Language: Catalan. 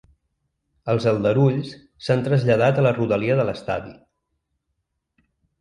Els aldarulls s’han traslladat a la rodalia de l’estadi.